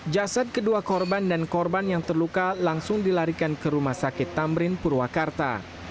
jasad kedua korban dan korban yang terluka langsung dilarikan ke rumah sakit tamrin purwakarta